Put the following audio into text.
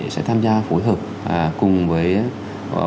sẽ tham gia phối hợp cùng với